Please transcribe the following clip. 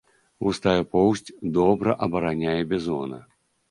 Густая поўсць добра абараняе бізона.